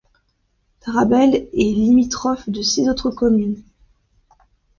Tarabel est limitrophe de six autres communes.